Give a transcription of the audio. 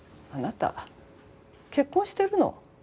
あなた結婚してるの？